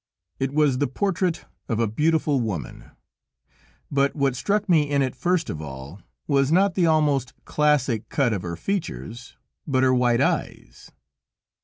It was the portrait of a beautiful woman, but what struck me in it first of all was not the almost classic cut of her features, but her white eyes.